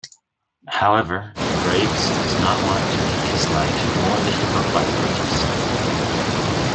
However, Graves does not want to make his life more difficult by protesting.